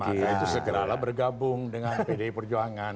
maka itu segeralah bergabung dengan pdi perjuangan